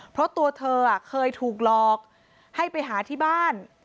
เพราะตัวเธอเคยถูกหลอกให้ไปหาที่บ้าน